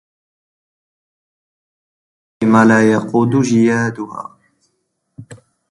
إن المكارم لا يقود جيادها